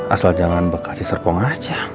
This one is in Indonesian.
asal jangan bekas di serpong aja